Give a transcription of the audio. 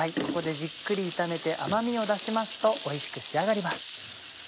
ここでじっくり炒めて甘みを出しますとおいしく仕上がります。